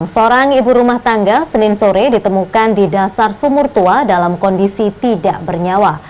seorang ibu rumah tangga senin sore ditemukan di dasar sumur tua dalam kondisi tidak bernyawa